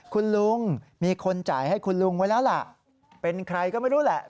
คุณลุงมีคนจ่ายให้คุณลุงไว้แล้วล่ะเป็นใครก็ไม่รู้แหละ